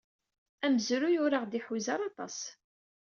Amezruy ur aɣ-d-iḥuza ara aṭas.